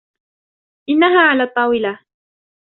إنها علي الطاولة.